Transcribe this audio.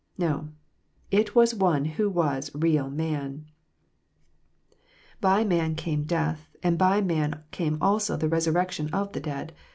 Xo : it was One who was real man !" By man came death, and by man came also the resurrection of the dead."